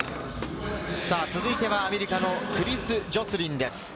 続いてはアメリカのクリス・ジョスリンです。